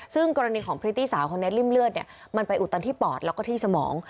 ซึ่งกรณีของพริตตี้สาวคนนี้ริ่มเลือดมันไปอุดตันที่ปอดแล้วก็ที่สมอง